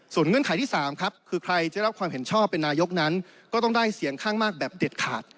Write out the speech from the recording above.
เงื่อนไขที่๓ครับคือใครจะรับความเห็นชอบเป็นนายกนั้นก็ต้องได้เสียงข้างมากแบบเด็ดขาด